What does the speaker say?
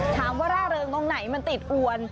ถามว่าร่าเริงตรงไหนมันติดอวน